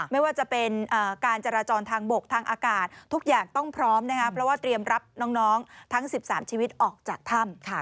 ไม่ว่าจะเป็นการจราจรทางบกทางอากาศทุกอย่างต้องพร้อมนะคะเพราะว่าเตรียมรับน้องทั้ง๑๓ชีวิตออกจากถ้ำค่ะ